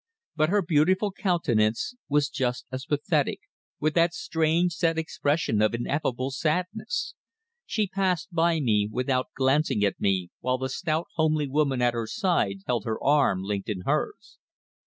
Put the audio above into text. But her beautiful countenance was just as pathetic, with that strange set expression of ineffable sadness. She passed me by without glancing at me, while the stout, homely woman at her side held her arm linked in hers.